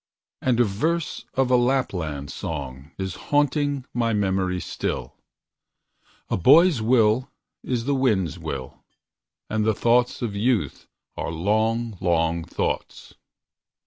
And a verse of a Lapland song Is haunting my memory still: "A boy's will is the wind's will, And the thoughts of youth are long, long thoughts."